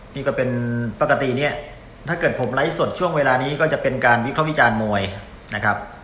นี่ก็เป็นปกติเนี่ยถ้าเกิดผมไลฟ์สดช่วงเวลานี้ก็จะเป็นการวิเคราะห์วิจารณ์มวยนะครับ